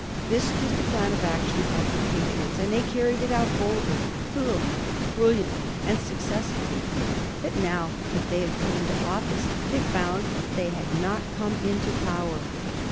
This was the plan of action of the Patriots, and they carried it out boldly, thoroughly, brilliantly, and successfully. But now that they had come into office they found that they had not come into power.